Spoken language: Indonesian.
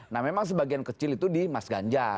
nah memang sebagian kecil itu di mas ganjar